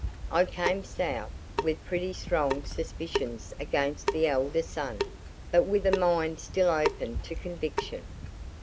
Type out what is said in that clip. I came South with pretty strong suspicions against the elder son, but with a mind still open to conviction.